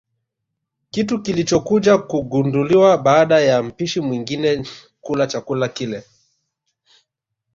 Kitu kilichokuja kugunduliwa baada ya mpishi mwingine kula chakula kile